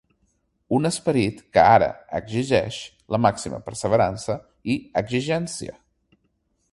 Un esperit que ara exigeix la màxima perseverança i exigència.